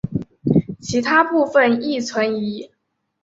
其他部分亦存疑。